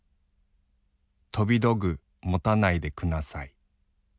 とびどぐもたないでくなさい。